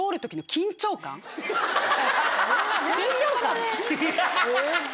・緊張感？